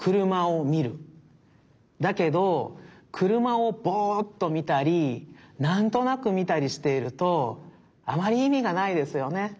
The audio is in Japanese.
だけどくるまをボっとみたりなんとなくみたりしているとあまりいみがないですよね。